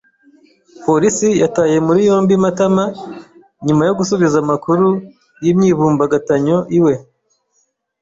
Polisi yataye muri yombi Matama nyuma yo gusubiza amakuru y’imyivumbagatanyo iwe.